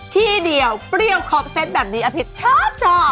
ที่เดียวเปรี้ยวขอบเซตแบบนี้อภิษชอบชอบ